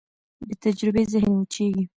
بېتجربې ذهن وچېږي.